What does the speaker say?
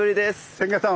千賀さん